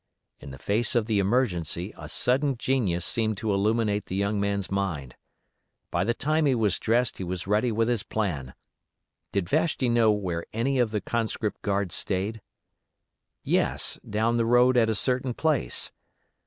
In the face of the emergency a sudden genius seemed to illuminate the young man's mind. By the time he was dressed he was ready with his plan—Did Vashti know where any of the conscript guard stayed? Yes, down the road at a certain place.